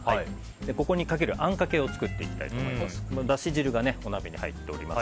ここにかけるあんかけを作っていきたいと思います。